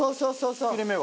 切れ目は。